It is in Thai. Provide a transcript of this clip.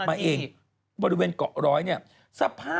เมื่อที่หรือเขาจะเปลี่ยนติ